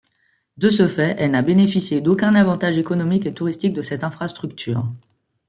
De ce fait, elle n'a bénéficié d'aucun avantage économique et touristique de cette infrastructure.